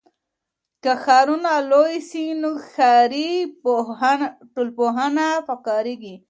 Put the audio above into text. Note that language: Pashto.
که ښارونه لوی سي نو ښاري ټولنپوهنه پکاریږي.